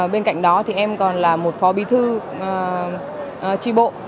bên cạnh đó thì em còn là một phó bí thư tri bộ